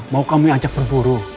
mau kami ajak berburu